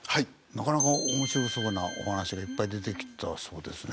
なかなか面白そうなお話がいっぱい出てきたそうですね。